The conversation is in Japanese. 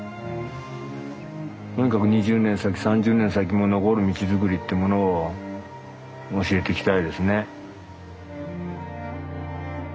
とにかく２０年先３０年先も残る道作りってものを教えていきたいですね。